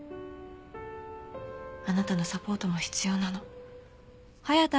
あなたのサポートも必要なの。